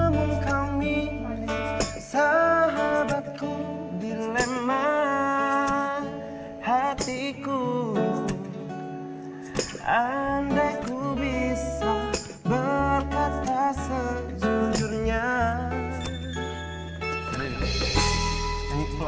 namun kami sahabatku